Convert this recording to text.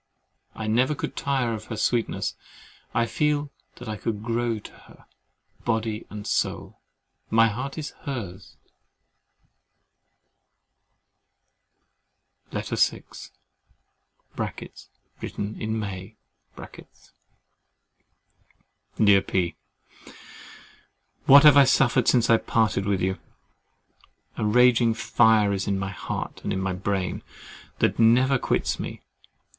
I never could tire of her sweetness; I feel that I could grow to her, body and soul? My heart, my heart is hers. LETTER VI (Written in May) Dear P——, What have I suffered since I parted with you! A raging fire is in my heart and in my brain, that never quits me.